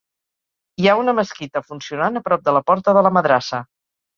Hi ha una mesquita funcionant a prop de la porta de la madrassa.